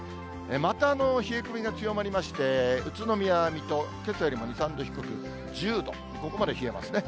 また冷え込みが強まりまして、宇都宮、水戸、けさよりも２、３度低く１０度、ここまで冷えますね。